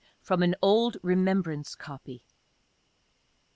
From an old "remembrance copy."